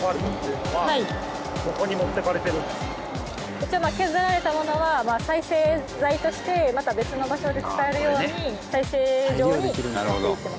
一応削られたものは再生材としてまた別の場所で使えるように再生場に持って行ってます。